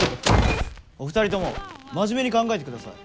お二人とも真面目に考えてください！